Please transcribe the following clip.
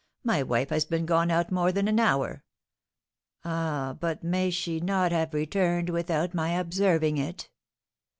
My wife has been gone out more than an hour! Ah, but may she not have returned without my observing it?